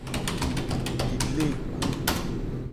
Mi le ku.